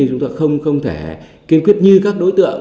chúng tôi không thể kiên quyết như các đối tượng